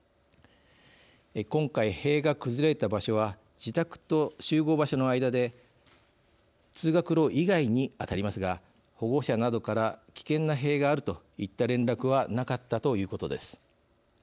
今回、塀が崩れた場所は自宅と集合場所の間で通学路以外に当たりますが保護者などから危険な塀があるといった連絡はなかったということです。